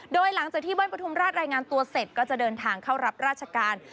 โดยหลังจากที่เบิ้ลประทุมราชรายงานตัวเสร็จก็จะเดินทางเข้ารับราชการ